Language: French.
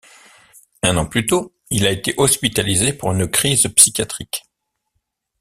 Un an plus tôt, il a été hospitalisé pour une crise psychiatrique.